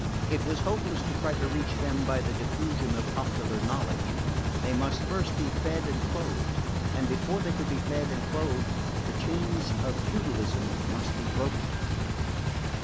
It was hopeless to try to reach them by the diffusion of popular knowledge. They must first be fed and clothed; and before they could be fed and clothed the chains of feudalism must be broken.